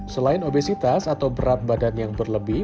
selain obesitas atau berat badan yang berlebih